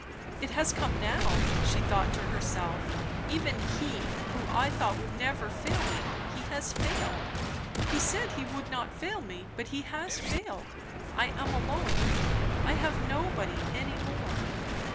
It has come now! she thought to herself; even he, who I thought would never fail me, he has failed. He said he would not fail me, but he has failed. I am alone; I have nobody any more.